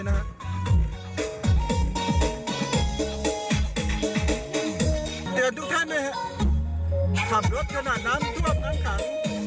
เตือนทุกท่านนะฮะขับรถขนาดน้ำทั่วข้างขัง